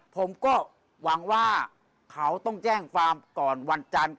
ผมก็หวังว่าเขาต้องแจ้งความก่อนวันจันทร์